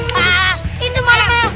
pak itu mana mah